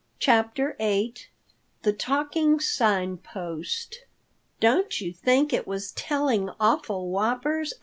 CHAPTER VIII THE TALKING SIGN POST "DON'T you think it was telling awful whoppers?"